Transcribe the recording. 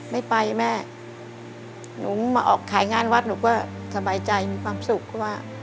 ไม่ไปแม่หนูมาออกขายงานวัดหนูก็สบายใจมีความสุขว่า